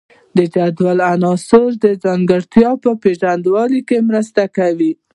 دا جدول د عناصرو د ځانګړتیاوو په پیژندلو کې مرسته کوي.